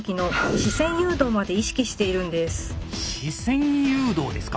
視線誘導ですか？